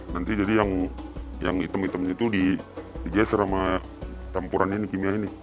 nanti jadi yang hitam hitamnya itu di geser sama campuran ini kimia ini